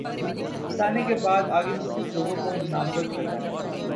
بتانے کے بعد آگے مختلف لوگوں کو نامزد کرتا ہے